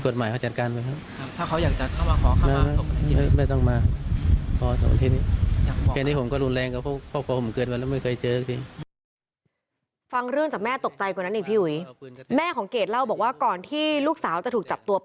น้ำเกาะคงให้ติหาขาว